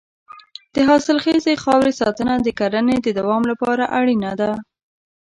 د حاصلخیزې خاورې ساتنه د کرنې د دوام لپاره اړینه ده.